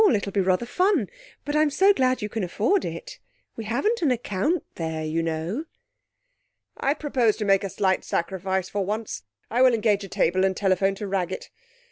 It'll be rather fun. But I'm so glad you can afford it. We haven't an account there, you know.' 'I propose to make a slight sacrifice for once.... I will engage a table and telephone to Raggett.